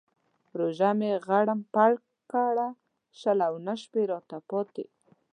روژه مې غرم پر کړه شل او نهه شپې راته پاتې.